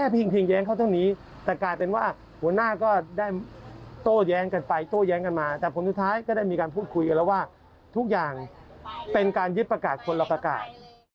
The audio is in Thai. เป็นการยึดประกาศคนละประกาศ